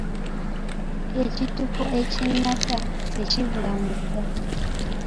Ekitiko ekinatta, tekibula muga.